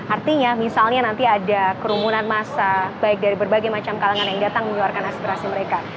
artinya misalnya nanti ada kerumunan massa baik dari berbagai macam kalangan yang datang menyuarakan aspirasi mereka